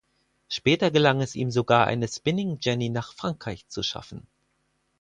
Später gelang es ihm sogar eine Spinning Jenny nach Frankreich zu schaffen.